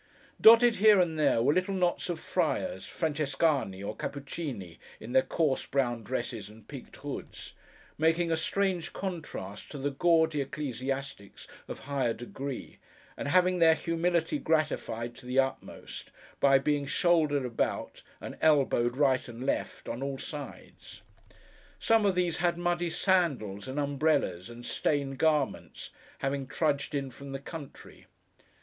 Dotted here and there, were little knots of friars (Frances cáni, or Cappuccíni, in their coarse brown dresses and peaked hoods) making a strange contrast to the gaudy ecclesiastics of higher degree, and having their humility gratified to the utmost, by being shouldered about, and elbowed right and left, on all sides. Some of these had muddy sandals and umbrellas, and stained garments: having trudged in from the country.